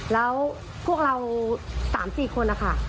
แล้วพวกเรา๓๔คนนะคะ